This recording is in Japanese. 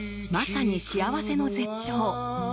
まさに幸せの絶頂。